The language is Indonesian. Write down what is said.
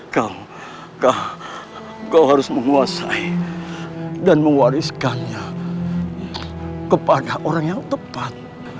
kau harus menguasai dan mengwariskannya kepada orang yang tepat